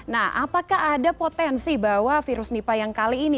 nah apakah ada potensi bahwa virus nipah yang kali ini